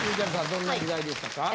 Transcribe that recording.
どんな時代でしたか？